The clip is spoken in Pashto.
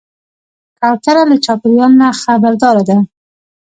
کوتره له چاپېریاله نه خبرداره ده.